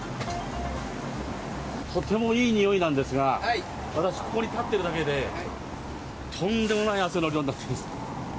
とてもいい匂いなんですが、私、ここに立ってるだけで、とんでもない汗の量になってます。